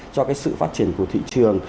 cho cái sự phát triển của thị trường